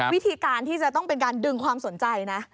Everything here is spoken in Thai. วิธีการที่จะต้องเป็นการดึงความสนใจนะ